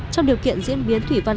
trong điều kiện diễn biến thủy văn